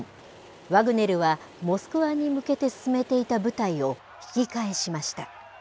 ワグネルはモスクワに向けて進めていた部隊を引き返しました。